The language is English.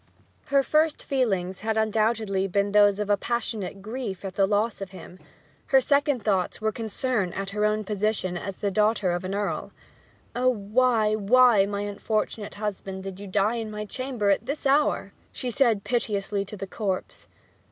Her first feelings had undoubtedly been those of passionate grief at the loss of him; her second thoughts were concern at her own position as the daughter of an earl. 'Oh, why, why, my unfortunate husband, did you die in my chamber at this hour!' she said piteously to the corpse.